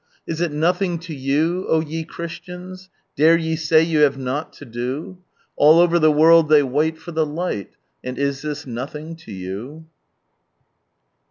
Is it nothing to you, O ye Christians? Dare ye sny ye have naught to do? All over ihe world they wait for Ihejiglil, And is Ihis nothing lo you?"